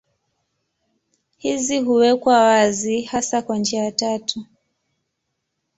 Hizi huwekwa wazi hasa kwa njia tatu.